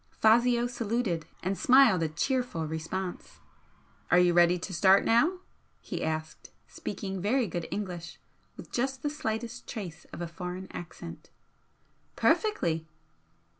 Fazio saluted, and smiled a cheerful response. "Are you ready to start now?" he asked, speaking very good English with just the slightest trace of a foreign accent. "Perfectly!"